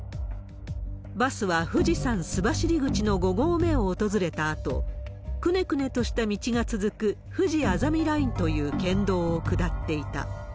バスは富士山須走口の５合目を訪れたあと、くねくねとした道が続くふじあざみラインという県道を下っていた。